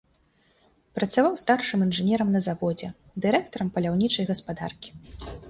Працаваў старшым інжынерам на заводзе, дырэктарам паляўнічай гаспадаркі.